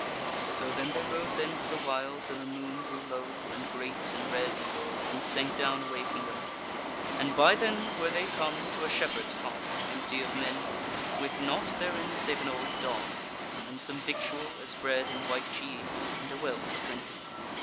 So then they rode thence awhile till the moon grew low, and great, and red, and sank down away from them; and by then were they come to a shepherd's cot, empty of men, with naught therein save an old dog, and some victual, as bread and white cheese, and a well for drinking.